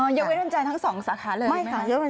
หยาวเว้นวันจันทร์ทั้งสองสาขานั้นหรือไหมคะ